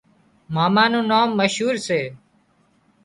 ماما نُون نام مشهور سي